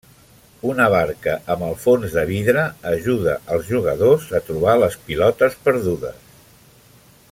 Una barca amb el fons de vidre ajuda als jugadors a trobar les pilotes perdudes.